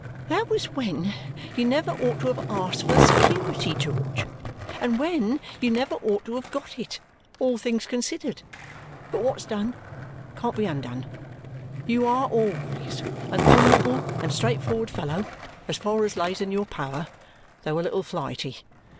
"That was when you never ought to have asked for the security, George, and when you never ought to have got it, all things considered. But what's done can't be undone. You are always an honourable and straightforward fellow, as far as lays in your power, though a little flighty.